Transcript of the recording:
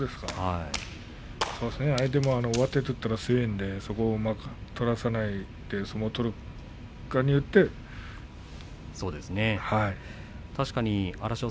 相手も上手を取ったら強いんでそこを取らせないような相撲を取るかによって、はい。